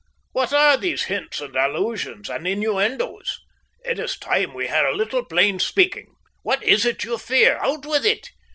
What are these hints and allusions and innuendoes? It is time we had a little plain speaking. What is it you fear? Out with it!